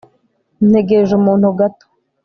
ntegereje umuntu gato